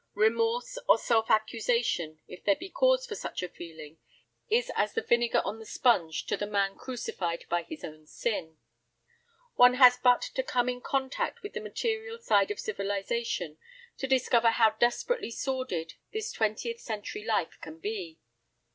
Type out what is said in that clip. Remorse or self accusation, if there be cause for such a feeling, is as the vinegar on the sponge to the man crucified by his own sin. One has but to come in contact with the material side of civilization to discover how desperately sordid this twentieth century life can be.